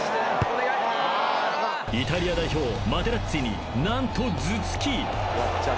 ［イタリア代表マテラッツィに何と］